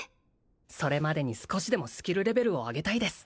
それまでに少しでもスキルレベルを上げたいです